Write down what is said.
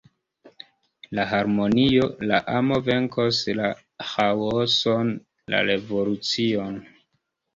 La harmonio, la amo venkos la ĥaoson, la revolucion.